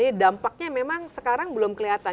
jadi dampaknya memang sekarang belum kelihatan